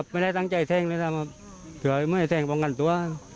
ไม่ได้ทั้งใจแทงเลยเผื่อไม่ได้แทงวงการตัว